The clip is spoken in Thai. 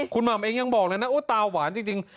คุณหม่ำเองยังบอกเลยนะตาหวานจริง